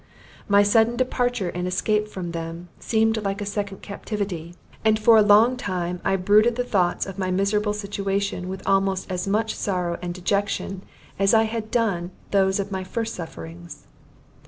My sudden departure and escape from them, seemed like a second captivity, and for a long time I brooded the thoughts of my miserable situation with almost as much sorrow and dejection as I had done those of my first sufferings.